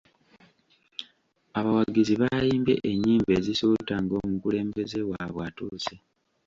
Abawagizi baayimbye ennyimba ezisuuta ng'omukulembeze waabwe atuuse.